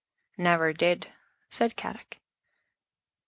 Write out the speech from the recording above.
"" Never did," said Kadok.